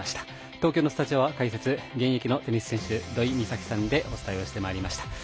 東京のスタジオは解説現役のテニス選手土居美咲さんでお伝えをしてまいりました。